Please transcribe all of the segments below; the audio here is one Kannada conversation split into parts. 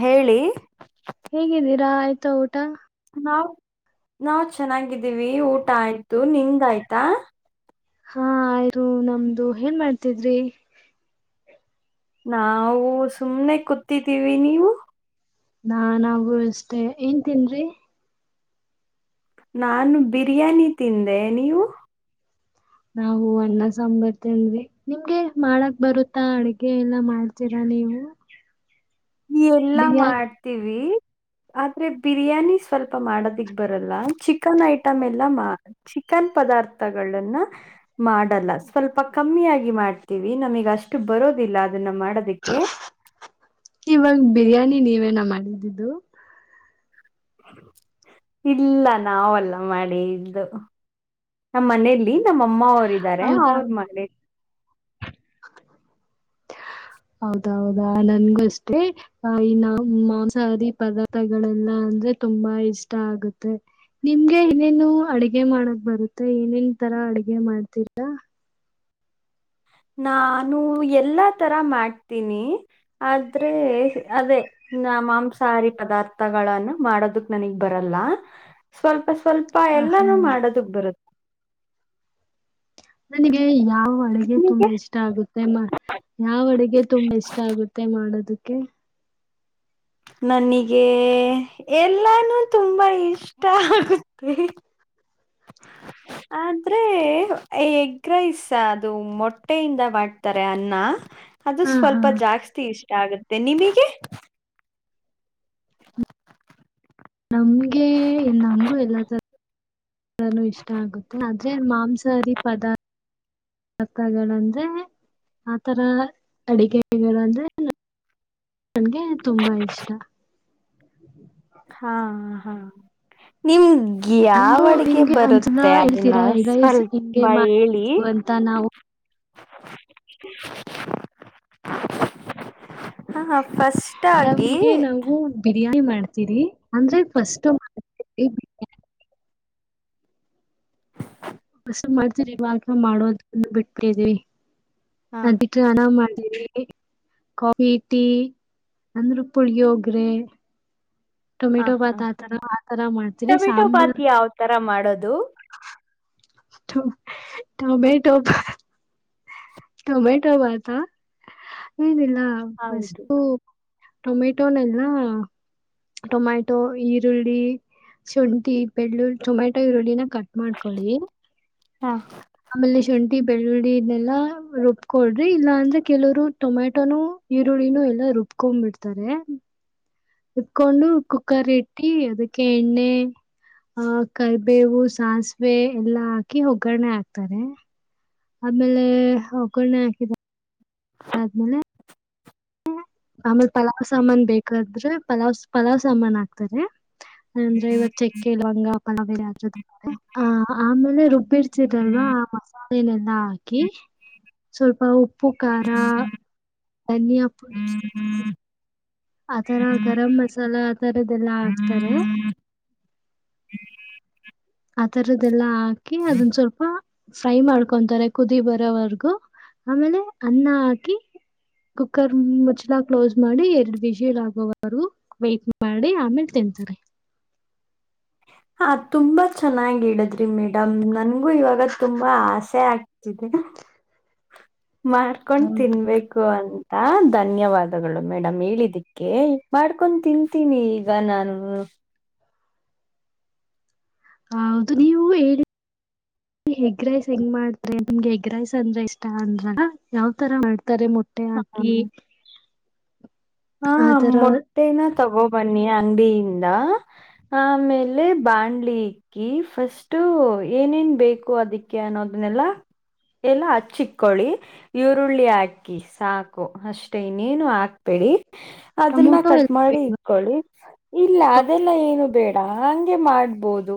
ಹೇಳಿ ಊಟ ಆಯ್ತಾ ಊಟ ನಾವ್ ನಾವ್ ಚೆನ್ನಾಗಿದ್ದೀವಿ ಊಟ ಆಯ್ತು ನಿಂದ ಆಯ್ತಾ ಹಾ ಆಯ್ರು ನಮ್ದು ಏನ್ ಮಾಡ್ತಿದ್ರಿ. ನಾವು ಸುಮ್ನೆ ಕೂತಿದ್ದೀವಿ ನೀವು? ನಾ ನವು ಅಷ್ಟೇ ಏನ್ ತ ತಿಂದ್ರಿ. ನಾನು ಬಿರಿಯಾನಿ ತಿಂದೆ ನೀವು? ನಾವು ಅಣ್ಣ ಸಾಂಬರ್ತನ್ವಿ ನಿಮ್ಗೆ ಮಾಡಕ್ ಬರುತ್ತಾ ಅಡಗೆ ಎಲ್ಲಾ ಮಾಡ್ತೀರ ನೀವು ಎಲ್ಲಾ ಬಿರಿಯಾನಿ ಮಾಡ್ತೀವಿ ಆದ್ರೆ ಬಿರಿಯಾನಿ ಸ್ವಲ್ಪ ಮಾಡದಿಕ್ ಬರಲ್ಲ ಚಿಕನ್ ಐಟಮ್ ಎಲ್ಲ ಚಿಕನ್ ಪದಾರ್ಥಗಳನ್ನ ಮಾಡಲ್ಲ ಸ್ವಲ್ಪ ಕಮ್ಮಿಯಾಗಿ ಮಾಡ್ತೀವಿ ನಮಿಗೆ ಅಷ್ಟು ಬರೋದಿಲ್ಲ ಅದನ್ನ ಮಾಡದಕ್ಕೆ. ಇವಾಗ ಬಿರಿಯಾನಿ ನೀವೇನ ಮಾಡಿದ್ದಿದ್ದು. ಇಲ್ಲ ನಾವಲ್ಲ ಮಾಡಿದು. ನಮ್ಮ್ ಮನೇಲಿ ನಮ್ಮ ಅಮ್ಮ ಅವರ ಇದಾರೆ ಹೌದಾ ಅವ್ರ ಹೌದೌದಾ ನನ್ಗು ಅಷ್ಟೇ ಈ ನ ಮಾಂಸಾಹಾರಿ ಪದಾರ್ಥಗಳೆಲ್ಲ. ಅಂದ್ರೆ ತುಂಬಾ ಇಷ್ಟ ಆಗುತ್ತೆ. ನಿಮ್ಗೆ ಇನೇನು ಅಡಗೆ ಮಾಡಕ್ ಬರುತ್ತೆ ಏನೇನ್ ತರ ಅಡ್ಗೆ ಮಾಡ್ತಿರಾ. ನಾನು ಎಲ್ಲಾ ತರ ಮಾಡ್ತೀನಿ ಆದ್ರೆ ಅದೇ. ಮಾಂಸಾಹಾರಿ ಪದಾರ್ಥಗಳನ್ನು ಮಾಡೋದಕ್ ನನಗ್ ಬರಲ್ಲ ಸ್ವಲ್ಪ. ಸ್ವಲ್ಪ ಹ ಎಲ್ಲಾನು ಹಾ ಮಾಡೋದಕ್ ಬರುತ್ತೆ. ನನಗೆ [unintelligible] ಯಾವ ಅಡುಗೆ ತುಂಬಾ ನಿಮಗೆ ಇಷ್ಟ ಆಗುತ್ತೆ ಯಾವ ಅಡುಗೆ ತುಂಬಾ ಇಷ್ಟ ಆಗುತ್ತೆ ಮಾಡೋದು. ಕ [unintelligible] ನನಗೆ ಎಲ್ಲಾನು ತುಂಬಾ ಇಷ್ಟ ಆಗುತ್ತೆ. [inaudible] ಆದ್ರೆ ಎಗ್ರೈಸ್ ಅದು ಮೊಟ್ಟೆಯಿಂದ ಮಾಡ್ತಾರೆ ಅನ್ನ. ಅದು ಹಾ ಹಾ ಸ್ವಲ್ಪ ಜಾಸ್ತಿ ಇಷ್ಟ ಆಗುತ್ತೆ ನಿಮಗೆ. ನಮ್ಗೆ ನಂಗೂ ಅದ್ರುದೇ. ನಾನ್ ವೆಜ್ ಇಷ್ಟ ಆಗುತ್ತೆ ಆದ್ರೆ ಮಾಂಸಾಹಾರಿ ಪದಾರ್ಥ ಕೊಳ್ಲಂಜೆ ಆತರ ಎಲ್ಲ ಅಡಿಗೆಗಳಂದ್ರೆ ನನಗೆ ತುಂಬಾ ಇಷ್ಟ. ಹಾ ಹಾ ಏನು ಯಾವ ಅಂದ್ರು ಅಡ್ಗೆ ನಿಮ್ಗೆ ಒಂದ್ಸಲ ಬರುತ್ತೆ ಅದನ್ನ ಹೇಳ್ತೀರಾ ಸ್ವಲ್ಪ ಹಿಂಗೆ ಮಾಡು ಹೇಳಿ. ಅಂತ ನಾವು ಎನಫ್ ನಮ್ಗೆ ನಾವು ಬಿರಿಯಾನಿ ಮಾಡು ಚೀರಿ ಅಂದ್ರೆ ಫಸ್ಟ್ ಎಗ್, ಫಸ್ಟ್ ಮಾಡ್ತಿರಿ ಬಾಟಲ್ ಮಾಡೋದನ್ನು ಬಿಟ್ಟಿದೀವಿ ಹಾ ಅದಕ್ಕೆ ಹಣ ಮಾಡ ಕಾಫಿ ಟೀ ಅಂದ್ರೆ ಪುಳಿಯೋಗ್ರೆ ಹಾ ಟೊಮೆಟೊ ಹಾ ಬಾತ್ ಆತರ ಆತರ ಮಾಡ್ತೀವಿ ಟೊಮೆಟೊ ಸಾಂಬಾರ್, ಬಾತ್ ಯಾವ ತರ ಮಾಡೋದು ಟೊಮೆಟೊ ಟೊಮೆಟೊ ಬಾತ ಏನಿಲ್ಲ ಹೌದು ಫಷ್ಟು. ಟೊಮೆಟೊನೆಲ್ಲ ಟೊಮೆಟೊ ಈರುಳ್ಳಿ, ಶುಂಠಿ ಬೆಳ್ಳುಳಿ ಟೊಮೆಟೊ ಈರುಳ್ಳಿನ ಕಟ್ ಮಾಡ್ಕೊಳ್ಳಿ. ಹಾ ಆಮೇಲೆ ಶುಂಠಿ ಬೆಳ್ಳುಳ್ಳಿ ಇದ್ನೆಲ್ಲಾ ರುಬ್ಕೊಳ್ರಿ ಇಲ್ಲಾ ಅಂದ್ರೆ ಕೆಲವರು ಟೊಮ್ಯಾಟೊನು ಈರುಳ್ಳಿನೂ ಎಲ್ಲಾ ರೂಬುಕೊಂಡು ಬಿಡ್ತಾರೆ. ಇಕೊಂಡು ಕುಕ್ಕರ್ ಇಟ್ಟಿ ಅದಕ್ಕೆ ಎಣ್ಣೆ, ಆ ಕರಿಬೇವು ಸಾಸಿವೆ ಎಲ್ಲಾ ಹಾಕಿ ಒಗ್ಗರಣೆ ಹಾಕ್ತಾರೆ. ಆಮೇಲೆ ಒಗ್ಗರಣೆ ಹಾಕಿದ್ದು ಆದ್ಮೇಲೆ, ಆಮೇಲ್ ಪಲಾವ್ ಸಾಮಾನ್ ಬೇಕಾದ್ರೆ ಪಲಾವ್ ಪಲಾವ್ ಸಾಮಾನ್ ಆಕ್ತಾರೆ. ಅಂದ್ರೆ ಚೆಕ್ಕೆ ಲವಂಗ ಪಲಾವ್ ಎಲೆ ಹಾಕಿರ್ತಾರೆ ಆ ಆಮೇಲೆ ರುಬ್ಬಿರ್ಸಿರಲ್, ಆ ಮಸಾಲೆ ಎಲ್ಲ ಹಾಕಿ ಸ್ವಲ್ಪ ಉಪ್ಪು ಖಾರ ಧನಿಯಾ ಪುಡಿ [unintelligible] ಆತರ ಗರಂಮಸಾಲ ಆತರದೆಲ್ಲಾ ಹಾಕ್ತಾರೆ. [inaudible] ಆತರದೆಲ್ಲ ಹಾಕಿ ಅದೊಂದು ಸ್ವಲ್ಪ, ಫ್ರೈ ಮಾಡ್ಕೊಂತಾರೆ. ಕುದಿ ಬರೋವರ್ಗೂ ಆಮೇಲೆ ಅನ್ನ ಹಾಕಿ ಕುಕ್ಕರ್ ಮುಚ್ಚುಳ ಕ್ಲೋಸ್ ಮಾಡಿ ಎರಡ್ ವಿಜಲ್ ಆಗೋವರು ವೈಟ್ ಮಾಡಿ ಆಮೇಲೆ ಇದು [unintelligible] ಹಾ ತುಂಬಾ ಚೆನ್ನಾಗಿ ಇಡದ್ರಿ ಮೇಡಮ್ ನನ್ಗೂ ಇವಾಗ ತುಂಬಾ ಆಸೆ ಆಗ್ತಿದೆ. ಮಾಡ್ಕೊಂಡ್ ಹೌದು ತಿನ್ಬೇಕು ಅ ಹಾ ಧನ್ಯವಾದಗಳು ಮೇಡಮ್ ಹೇಳಿದಿಕ್ಕೆ ಮಾಡ್ಕೊಂಡ್ ತಿಂತೀನಿ ಈಗ ನಾನು. [inaudible] ಹೌದು ನೀವು ಹೇಳಿ, ಎಗ್ ರೈಸ್ ಹೆಂಗ್ ಮಾಡ್ತೀರಾ ನಿಮ್ಗೆ ಎಗ್ ರೈಸ್ ಅಂದ್ರೆ ಇಷ್ಟ ಅಂದ್ರಲ್ಲ ಯಾವು ತರ ಮಾಡ್ ಕರಿ ಮೊಟ್ಟೆ ಹ್ಮ ಹಾಕಿ, ಹಾ ಆ ತರ ಮೊಟ್ಟೆನೂ ತಗೋಬನ್ನಿ ಅಂಗಡಿಯಿಂದ, ಆಮೇಲೆ ಬಾಣ್ಲಿಕ್ಕಿ ಫಸ್ಟ್ ಏನೇನ್ ಬೇಕು ಅದಕ್ಕೆ ಅನ್ನೋದು ನಿಲ್ಲಲ್ಲ ಎಲ್ಲ ಹಚ್ಚಿಇಕೊಳ್ಳಿ ಈರುಳ್ಳಿ ಹಾಕಿ ಸಾಕು ಅಷ್ಟೇ ಇನ್ನೇನು ಹಾಕ್ಬೇಡಿ. ಅದನ್ನ ಟೊಮೊಟೊ ಕಟ್ ಎಲ್ಲ ಮಾಡಿ ಬೇಡ್ವಾ? ಇಕೊಳ್ಳಿ ಇಲ್ಲ ಟೊ- ಅದೆಲ್ಲ ಏನು ಬೇಡ ಂಗೆ ಮಾಡ್ಬೋದು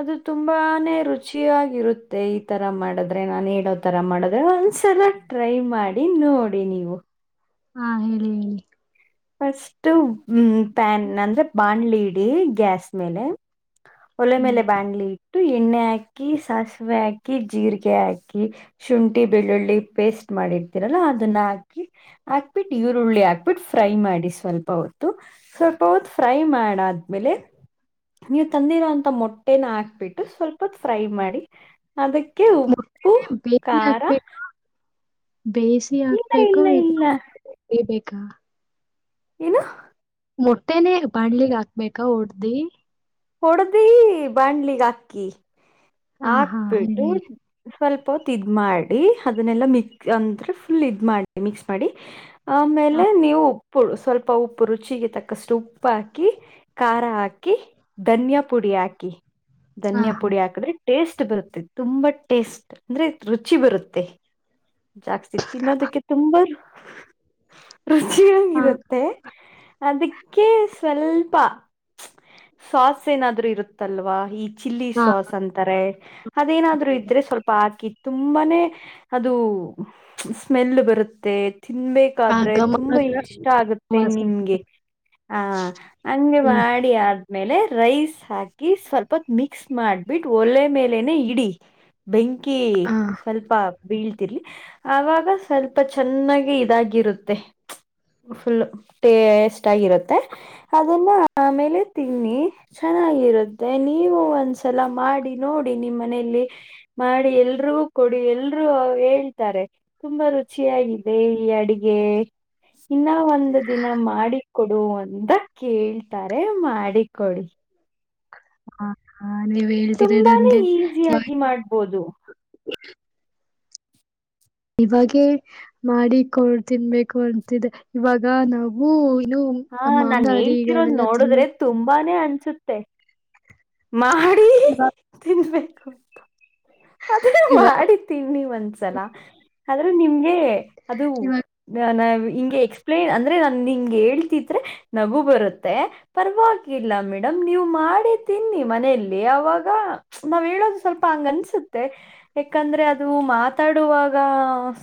ಅದು ತುಂಬಾನೇ ರುಚಿಯಾಗಿರುತ್ತೆ ಈ ತರ ಮಾಡದ್ರೆ ನಾನ್ ಹೇಳೋ ತರ ಮಾಡಿದ್ರೆ ಒಂದ್ಸಲ ಟ್ರೈ ಮಾಡಿ ನೋಡಿ ನೀವು ಹಾ ಹೇಳಿ ಹೇಳಿ ಫಸ್ಟ್ ಹ್ಮ ಪ್ಯಾನ್ ಅಂದ್ರೆ ಬಾಣ್ಲಿ ಇಡಿ ಗ್ಯಾಸ್ ಮೇಲೆ ಒಲೆ ಹ್ಮ್ ಮೇಲೆ ಬ್ಯಾಂಗ್ಲಿ ು ಎಣ್ಣೆ ಹಾಕಿ ಸಾಸಿವೆ ಹಾಕಿ ಜೀರಿಗೆ ಹಾಕಿ ಶುಂಠಿ ಬೆಳ್ಳುಳ್ಳಿ ಪೇಸ್ಟ್ ಮಾಡಿರ್ತೀರಲ್ಲಾ ಅದನ್ನ ಹಾಕಿ ಹಾಕ್ಬಿಟ್ಟು ಈರುಳ್ಳಿ ಹಾಕ್ಬಿಟ್ಟು ಫ್ರೈ ಮಾಡಿ ಸ್ವಲ್ಪ ಹೊತ್ತು ಸ್ವಲ್ಪ ಹೊತ್ತು ಫ್ರೈ ಮಾಡಾದ್ಮೇಲೆ ನೀವು ತಂದಿರೋಂತ ಮೊಟ್ಟೆನ ಹಾಕ್ಬಿಟ್ಟು ಸ್ವಲ್ಪ ಫ್ರೈ ಮಾಡಿ ಅದಕ್ಕೆ ಉಪ್ಪು ಮೊಟ್ಟೆನೆ ಬೇಯಿಸಿ ಖಾರ ಹಾಕ್ಬೇಕು ಬೇಯಿಸಿ ಇಲ್ಲ ಇಲ್ಲ ಹಾಕ್ಬೇಕುಬೇಕಾ ಇಲ್ಲ ಏನು ಮೊಟ್ಟೆನೆೇ ಬಾಣ್ಲಿಗ್ ಹಾಕ್ಬೇಕ ಹೊಡ್ದಿ ಹೊಡ್ದಿ ಬಾಣ್ಲಿಗ್ ಹಾಕಿ ಹಾ ಹಾ ಹಾಕ್ಬಿಟ್ಟು ಹೇಳಿ ಸ್ವಲ್ಪ ಹೊತ್ ಇದ್ ಮಾಡಿ ಅದನ್ನೆಲ್ಲ ಮಿಕ್ಸ್ ಅಂದ್ರೆ ಫುಲ್ ಇದ ಮಾಡಿ ಮಿಕ್ಸ್ ಮಾಡಿ ಹಾ ಆಮೇಲೆ ನೀವು ಉಪ್ಪುಳು ಸ್ವಲ್ಪ ಉಪ್ಪು ರುಚಿಗೆ ತಕ್ಕಷ್ಟು ಉಪ್ಪು ಹಾಕಿ ಖಾರ ಹಾಕಿ ಧನ್ಯ ಪುಡಿ ಹಾಕಿ ಹಾ ಧನ್ಯ ಪುಡಿ ಹಾಕಿದ್ರೆ ಟೇಸ್ಟ್ ಬರುತ್ತೆ ತುಂಬಾ ಟೇಸ್ಟ್ ಅಂದ್ರೆ ರುಚಿ ಬರುತ್ತೆ ಜಾಕ್ ಸಿ ತಿನ್ನೋದಕ್ಕೆ ತುಂಬಾರ ರುಚಿಗಳ ಹಾ ಇರುತ್ತೆ ಅದಕ್ಕೆ ಸ್ವಲ್ಪ ಸ್ಸ್ ಏನಾದ್ರರು ಇರುತ್ತಲ್ವಾ ಈ ಚಿಲ್ಲಿ ಹಾ ಸಾಸ್ ಅಂತಾರೆ ಅದೇನಾದ್ರು ಇದ್ರೆ ಸ್ವಲ್ಪ ಹಾಕಿತ್ತು ತುಂಬಾನೇ ಅದು ಸ್ಮೆಲ್ ಬರುತ್ತೆ ತಿನ್ಬೇಕಾದ್ರೆ ಘಮ ತುಂಬಾ ಘಮ ಇಷ್ಟ ಆಗತ್ತೆ ಪ್ರವಾಸ ನಿಮ್ಗೆ ಹಾ ಹಂಗೆ ಹ್ಮ್ ಮಾಡಿ ಅ ಆಮೇಲೆ ರೈಸ್ ಹಾಕಿ ಸ್ವಲ್ಪತ್ ಮಿಕ್ಸ್ ಮಾಡ್ಬಿಟ್ಟು ಒಳ್ಳೆ ಮೇಲೆನೆ ಇಡಿ ಬೆಂಕಿ ಹಾ ಸ್ವಲ್ಪ ಬೀಳ್ ಆಾಗ ಸ್ವಲ್ಪ ಚೆನ್ನಾಗಿ ಇದಾಗಿರುತ್ತೆ ಫುಲ್ ಟೇಸ್ಟ್ ಆಗಿರುತ್ತೆ ಅದನ್ನ ಆಮೇಲೆ ತಿನ್ನಿ ಚ ಚೆನ್ನಾಗಿರುತ್ತೆ ನೀವು ಒಂದ್ಸಲ ಮಾಡಿ ನೋಡಿ ನಿಮ್ಮ ಮನೆಯಲ್ಲಿ ಮಾಡಿ ಎಲ್ರೂ ಕೊಡಿ ಎಲ್ರೂ ಹೇಳ್ತಾರೆ ತುಂಬಾ ರುಚಿಯಾಗಿದೆ ಈ ಅಡಿಗೆ ಇನ್ನ ಒಂದು ದಿನ ಮಾಡಿಿಕೊಡು ಅಂದ ಕೇಳ್ತಾರೆ ಮಾಡಿಕೊಡಿ ಹಾ ಹಾ ನೀವ್ ಹೇಳ್ತೀರ ತುಂಬಾನೇ ನನ್ಗೆ ಈಸಿಯಾಗಿ ಮಾಡ್ಬೋದು ಇವಾಗೇ ಮಾಡಿಿಕಡ್ ತಿನ್ಬೇಕು ಅಂತಿದೆ ಇವಾಗ ನಾವು ಇನ್ನು ಹಾ ನಾನ್ ಹೇಳ್ತಿರೋದ್ ಮಾಂಸಾಹಾರಿಗಳೆಲ್ಲ ತಿನ್ನ ನೋಡಿದ್ರೆ ತುಂಬಾನೇ ಅನ್ಸುತ್ತೆ ಮಾಡಿ ಇವಾಗ ತಿನ್ಬೇಕುಂತ ಅದನ್ನ ಇವಾಗ ಮಾಡ ತಿೀನ್ಿ ಒಂದ್ಸಲ ಆದ್ರೆ ನಿಮ್ಗೆ ಅದು ಇವಾಗ ನ ಹಿಂಗೆ ಎಕ್ಸ್ಪ್ಲೇನ್ ಅಂದ್ರೆ ನನ್ ನಿಂಗೆ ಹೇಳ್ತಿದ್ರೆ ನಗು ಬರುತ್ತೆ ಪರವಾಗಿಲ್ಲ ಮೇಡಮ ನೀವು ಮಾಡಿ ತಿನ್ನಿ ಮನೆಯಲ್ಲಿ ಅವಾಗ ನಾವ್ ಹೇಳೋದು ಸ್ವಲ್ಪ ಹಂಗನ್ಸುತ್ತೆ ಯಾಕಂದ್ರೆ ಅದು ಮಾತಾಡುವಾಗ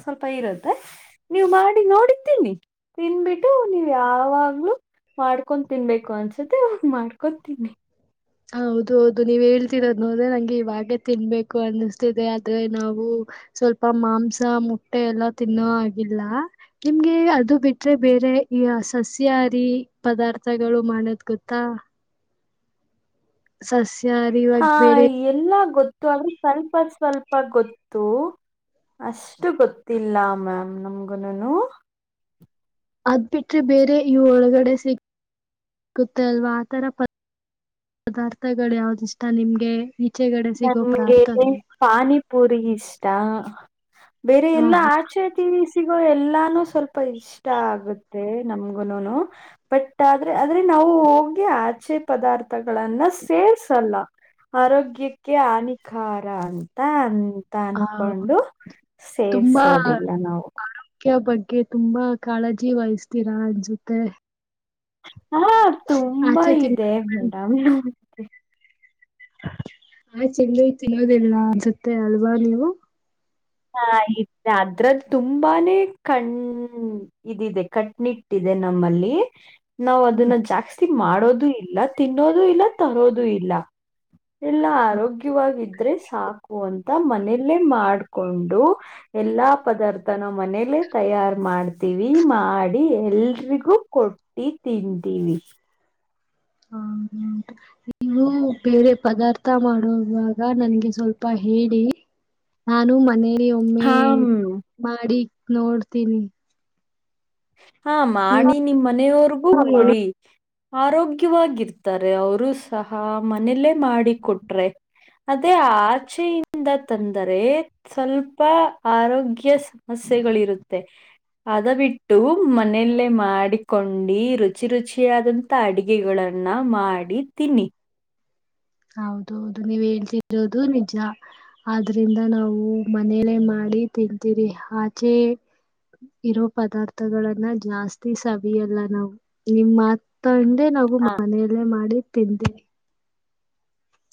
ಸ್ವಲ್ಪ ಇರುತ್ತೆ ನೀವು ಮಾಡಿ ನೋಡಿದ್ದೀನಿ ತಿನ್ಬಿಟ್ಟು ನೀವು ಯಾವಾಗ್ಲುೂ ಮಾಡ್ಕೊ ತಿನ್ಬೇಕು ಅನ್ಸುತ್ತೆ ಇವಾಗ ಮಾಡ್ಕೊ ತಿನ್ನಿ ಹ ಹೌದು ಹೌದು ನೀವ್ ಹೇಳ್ತಿರೋದ ನೋಡ್ರೆ ನಂಗೆ ಇವಾಗ ತಿನ್ಬೇಕು ಅನ್ನಿಸ್ತಿದೆ ಆದ್ರೆ ನಾವು ಸ್ವಲ್ಪ ಮಾಂಸ ಮುಟ್ಟೆ ಎಲ್ಲ ತಿನ್ನೋ ಆಗಿಲ್ಲ ನಿಮ್ಗೆ ಅದು ಬಿಟ್ರೆ ಬೇರೆ ಅಂದ್ರೆ ಈ ಸಸ್ಯಹಾರಿ ಪದಾರ್ಥಗಳು ಮಾಡೋದ್ ಗೊತ್ತಾ ಸ ಹಾ ಎಲ್ಲಾ ಗೊತ್ತು ಅಲ್ಲಿಿಗೆ ಸ್ವಲ್ಪ ಸ್ವಲ್ಪ ಗೊತ್ತು ಅಷ್ಟು ಗೊತ್ತಿಲ್ಲ ಮ್ಯಾಮ್ ನಮಗುನು ಅದ್ ಬಿಿಟ್ರೆ ಬೇರೆ ಇವು ಒಳಗಡೆ ಸಿ ಸಿಗುತ್ತ ಅಲ್ವಾ ಆತರ ಪದಾರ್ಥಗಳು ಯಾವ್ದಿಷ್ಟ ನಿಮ್ಗೆ ಈಚೆಗಡೆ ಸಿಗೋ ನನ್ಗೆ ಪದಾರ್ಥಗಳು ಪಾನಿಪುರಿ ಬೇರೆ ಎಲ್ಲಾ ಆಹಾ ಆಚೆತೀ ಗ ಎಲ್ಲಾನು ಸ್ವಲ್ಪ ಇಷ್ಟ ಆಗುತ್ತೆ ನಮಗು ಬಟ್ ಆದ್ರೆ ಆದ್ರೆ ಅಾವು ಹೋಗಿ ಆಚೆ ಪದಾರ್ಥಗಳನ್ನ ಸೇರ್ಸಲ್ಲ ಆರೋಗ್ಯಕ್ಕೆ ಕ ಹಾನಿಕಾರ ಅಂತ ಅ ತ ಆ ಅನ್ಕೊಂಡು ಸೇರ್ರಿಸೋದಿಲ್ಲ ನಾವು ಮುಖ್ಯ ಬಗ್ಗೆ ತುಂಬಾ ಕಾಳಜಿ ವಹಿಸತೀರಾ ಅನ್ಸತೆ ಹಾ ತುಂಬಾ ತಿನ್ ಇದೆ ಮೇಡಮ್ ಆ್ ಚೆಲ್ಲ ತಿನ್ನೋದಿಲ್ಲ ಅನ್ಸುತ್ತೆ ಅಲ್ವಾ ನೀವು ಹಾ ಇ ಅದ್ರಲ್ಲಿ ತುಂಬಾನೇ ಕಣ ಇದಿದೆ ಕಟ್ನಿಟ್ಟಿದೆ ನಮ್ಮಲ್ಲಿ ನಾವವು ಹ್ಮ್ ಅದನ್ನ ಜಾಸ್ತಿ ಮಾಡೋದು ಇಲ್ಲ ತಿನ್ನೋದು ಇಲ್ಲ ತರೋದು ಇಲ್ಲ ಎಲ್ಲ ಆರೋಗ್ಯವಾಗಿದ್ರೆ ಸಾಕು ಅಂತ ಮನೆಯಲ್ಲೇ ಮಾಡ ಕೊಂಡು ಎಲ್ಲಾ ಪದಾರ್ಥನ ಮನೇಲ್ಲೇ ತಯಾರ್ ಮಾಡ್ತೀವಿ ಮಾಡಿ ನಡಿ ಎಲ್ರಿಗೂ ಕೊಟ್ಟಿ ತಂತೀವಿ [inaudible] ನೀವು ಬೇರೆ ಪದಾರ್ಥ ಮಾಡುವವಾಗ ನನ್ಗೆ ಸ್ವಲ್ಪ ಹೇಳಿ ನಾನು ಮನೇಲಿ ಒಮ್ಮೆ ಹಾ ಮ್, ಮಾಡಿ ನೋಡ್ತೀನಿ ಹಾ ನೀವು ಮಾಡಿ ನಿಮ್ ಮನೆಯವರ್ಗೂ ಕೊಡಿ ಆರೋಗ್ಯವಾಗಿರ್ತಾರೆ ಅವರು ಸಹ ಮನೇಲ್ಲೇ ಮಾಡಿಿಕೊಟ್ರೆ ಅದೇ ಆಚೆಯಿಂದ ತಂದರೆ ಸ್ವಲ್ಪ ಆರೋಗ್ಯ ಸಮಸ್ಯೆ ಸಗಳಿರುತ್ತೆ ಅದ ಬಿಟ್ಟ ಇ ಮನೆಯಲ್ಲೇ ಮಾಡಿಕೊಂಡು ರುಚಿ ರುಚಿಯಾದಂತ ಅಡಗೆಗಳನ್ನ ಮಾಡಿ ಮಾಡಡಿ ತಿನ್ನಿ ಹೌದ ಹೌದು ನೀವ ಹೇಳ್ಸರೋದು ನಿಜ ಆದ್ರಿಂದ ನಾವು ಮನೇಲೆೇ ಮಾಡಿ ತಿಂತೀರಿ ಆಚೆ ಇರೋ ಪದಾರ್ಥಗಳನ್ನ ಜಾಸ್ತಿ ಸವಿಯಲ್ಲ ನಾವು ನಿಮ್ಮ ಮಾತ್ತ ಇದೇ ನಾವು ಹಾ. ಮನೆಯಲ್ಲೇ ಮಾಡಿ ತಿಂದೆವಿ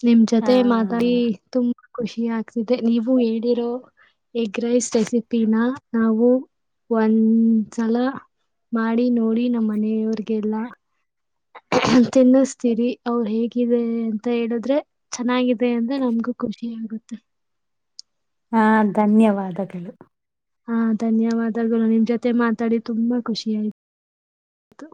ನಿಮ್ ಹಾ ಜೊತೆ ಮಾತಿ ತುಂಬಾ ಖುಷಿ ಆಗ್ತಿದೆ ನೀವು ಹೇಳಿರೋ ಎಗ್ ರೈಸ್ ರೆಸಿಪಿನ ನಾವು ಒಂದ್ಸಲ ಮಾಡಿ ನೋಡಿ ನಮ್ಮ ಮನೆಯವ್ರಗೆಲ್ಲ ತಿನ್ನಿಸ್ತೀರಿ ಅ್ ಹೇಗಿದೆ ಅಂತ ಹೇಳಿದ್ರೆ ಚೆನ್ನಿದ ಇದೆ ಅಂದ್ರೆ ನಮ್ಗೂ ಖುಷಿ ಆಗುತ್ತೆ ಹಾ ಧನ್ಯವಾದಗಳು ಹಾ ಧನ್ಯವಾದಗಳು ನಿಮ್ ಜೊತೆ ಮಾತಾಡಿ ತುಂಬಾ ಖುಷಿ ಆಯ್ತು